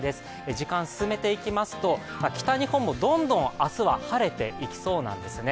時間、進めていきますと、北日本もどんどん明日は晴れていきそうなんですね。